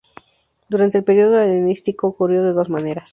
Durante el periodo helenístico, ocurrió de dos maneras.